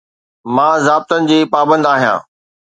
مان ضابطن جي پابند آهيان